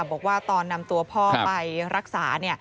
บอกว่าตอนนำตัวพ่อไปรักษา